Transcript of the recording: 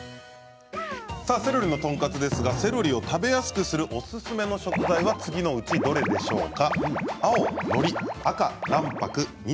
セロリのトンカツですがセロリを食べやすくするおすすめの食材はどれでしょうか。